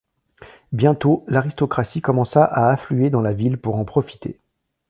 Bientôt, l'aristocratie commença à affluer dans la ville pour en profiter.